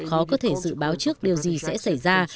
khó có thể dự báo trước điều gì sẽ xảy ra